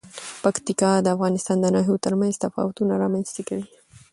پکتیکا د افغانستان د ناحیو ترمنځ تفاوتونه رامنځ ته کوي.